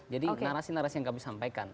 jadi narasi narasi yang kami sampaikan